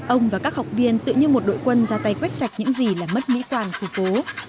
ông và các học viên tự như một đội quân ra tay quét sạch những gì làm mất mỹ toàn khu phố